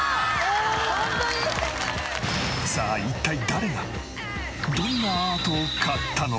さあ一体誰がどんなアートを買ったのか？